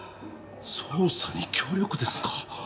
捜査に協力ですか？